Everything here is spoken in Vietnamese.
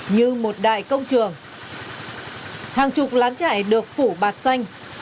như một đài công trường hàng chục lán chảy được phủ bạt xanh